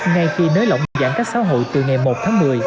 ngay khi nới lỏng giãn cách xã hội từ ngày một tháng một mươi